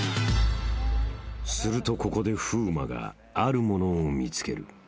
［するとここで風磨がある物を見つける］